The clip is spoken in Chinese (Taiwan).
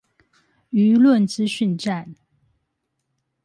輿論資訊戰